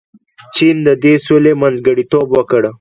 چین د دې سولې منځګړیتوب وکړ.